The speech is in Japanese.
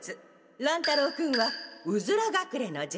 乱太郎君はうずら隠れの術。